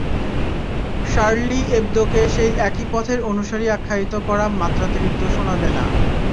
Shirley এবদোকে সেই একই পথের অনুসারী আখ্যায়িত করা মাত্রাতিরিক্ত শোনাবে না।